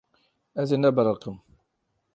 Ez ê nebiriqim.